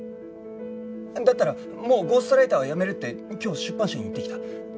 だったらもうゴーストライターはやめるって今日出版社に言ってきた。